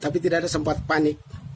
tapi tidak ada sempat panik